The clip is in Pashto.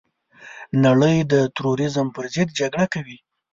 نړۍ د تروريزم پرضد جګړه کوي.